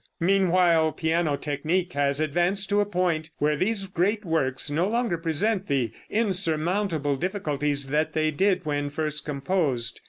Meanwhile, piano technique has advanced to a point where these great works no longer present the insurmountable difficulties that they did when first composed.